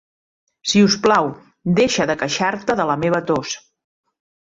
Si us plau, deixa de queixar-te de la meva tos.